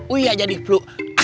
uya jadi flu